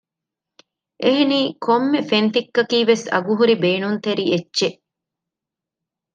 އެހެނީ ކޮންމެ ފެން ތިއްކަކީ ވެސް އަގުހުރި ބޭނުންތެރި އެއްޗެއް